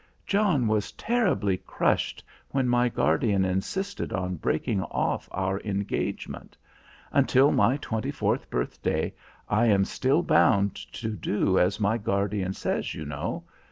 John was terribly crushed when my guardian insisted on breaking off our engagement. Until my twenty fourth birthday I am still bound to do as my guardian says, you know.